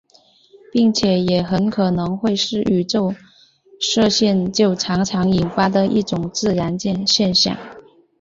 并且也很可能会是宇宙射线就常常引发的一种自然现象。